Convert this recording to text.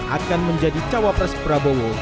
akan menjadi cawapres prabowo